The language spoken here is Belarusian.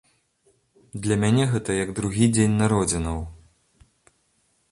Для мяне гэта як другі дзень народзінаў.